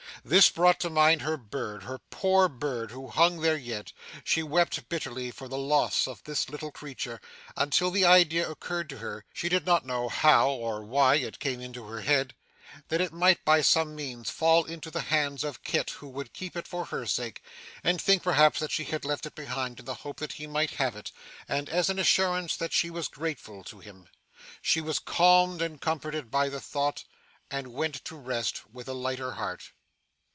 This brought to mind her bird, her poor bird, who hung there yet. She wept bitterly for the loss of this little creature until the idea occurred to her she did not know how, or why, it came into her head that it might, by some means, fall into the hands of Kit who would keep it for her sake, and think, perhaps, that she had left it behind in the hope that he might have it, and as an assurance that she was grateful to him. She was calmed and comforted by the thought, and went to rest with a lighter heart.